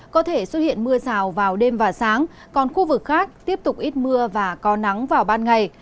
có thể xuất hiện mưa rào vào đêm và sáng còn khu vực khác tiếp tục ít mưa và có nắng vào ban ngày